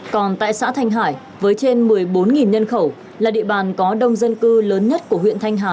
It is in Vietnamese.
còn tại xã thanh hải với trên một mươi bốn nhân khẩu là địa bàn có đông dân cư lớn nhất của huyện thanh hà